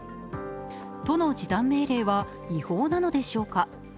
都の時短命令は違法なのでしょうか。